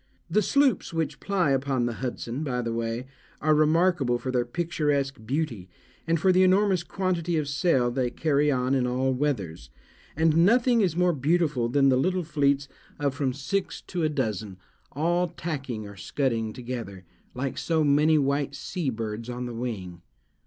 The sloops which ply upon the Hudson, by the way, are remarkable for their picturesque beauty, and for the enormous quantity of sail they carry on in all weathers; and nothing is more beautiful than the little fleets of from six to a dozen, all tacking or scudding together, like so many white sea birds on the wing.